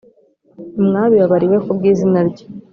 Mwabibabariwe ku bw izina rye